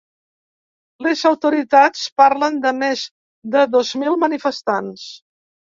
Les autoritats parlen de més de dos mil manifestants.